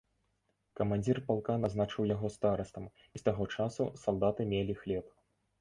Камандзір палка назначыў яго старастам, і з таго часу салдаты мелі хлеб.